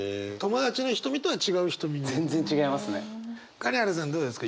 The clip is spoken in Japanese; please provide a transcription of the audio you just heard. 金原さんどうですか？